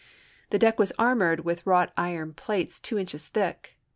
The deck was armored with wrought iron plates two inches thick.